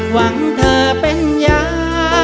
หวังเธอเป็นยา